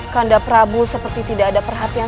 kanda prabu seperti tidak ada perhatian